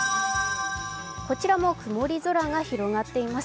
こちらも曇り空が広がっています。